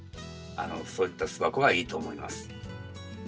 そういった巣箱がいいと思います。